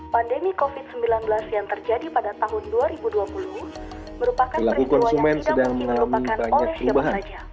pandemi covid sembilan belas yang terjadi pada tahun dua ribu dua puluh merupakan peristiwa yang tidak mungkin dilupakan oleh siapa saja